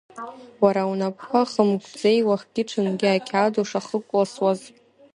Уара унапқәа хымгәгәӡеи, уахгьы ҽынгьы ақьаад ушахыкәласуаз?